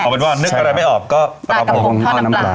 เอาเป็นว่านึกอะไรไม่ออกก็ปลากระโพงทอดน้ำปลา